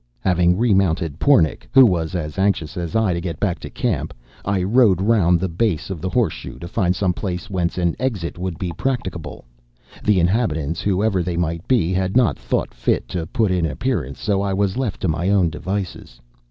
Having remounted Pornic, who was as anxious as I to get back to camp, I rode round the base of the horseshoe to find some place whence an exit would be practicable. The inhabitants, whoever they might be, had not thought fit to put in an appearance, so I was left to my own devices.